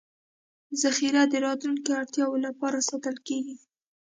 ذخیره د راتلونکو اړتیاوو لپاره ساتل کېږي.